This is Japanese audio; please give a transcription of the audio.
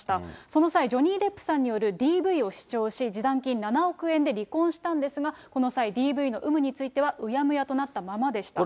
その際、ジョニー・デップさんによるＤＶを主張し、示談金７億円で離婚したんですが、この際、ＤＶの有無については、うやむやとなったままでした。